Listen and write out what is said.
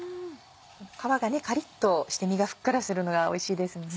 皮がカリっとして身がふっくらするのがおいしいですもんね。